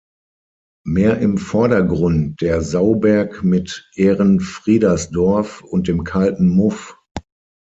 Mehr im Vordergrund der Sauberg mit Ehrenfriedersdorf und dem Kalten Muff.